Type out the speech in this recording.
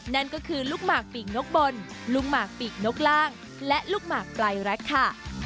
นั่นก็คือลูกหมากปีกนกบนลุงหมากปีกนกล่างและลูกหมากปลายรักค่ะ